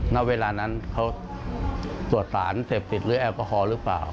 ณเวลานั้นเขาตรวจสารเสพติดหรือแอลกอฮอล์หรือเปล่า